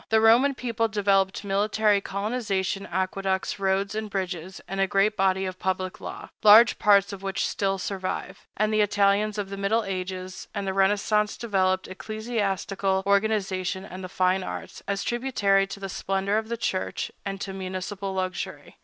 The Roman people developed military colonization, aqueducts, roads and bridges, and a great body of public law, large parts of which still survive; and the Italians of the middle ages and the Renaissance developed ecclesiastical organization and the fine arts, as tributary to the splendor of the church and to municipal luxury.